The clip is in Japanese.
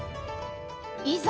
いざ！